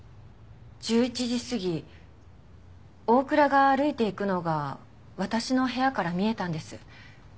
１１時過ぎ大倉が歩いていくのが私の部屋から見えたんです。